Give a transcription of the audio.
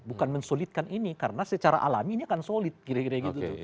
bukan mensolidkan ini karena secara alami ini akan solid kira kira gitu tuh